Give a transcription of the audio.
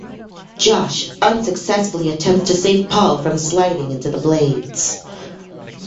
Josh unsuccessfully attempts to save Paul from sliding into the blades.